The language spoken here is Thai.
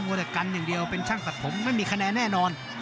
แต่กันอย่างเดียวเป็นช่างตัดผมไม่มีคะแนนแน่นอน